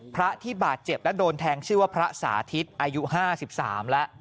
พระที่บาดเจ็บและโดนแทงชื่อว่าพระสาธิตอายุ๕๓แล้ว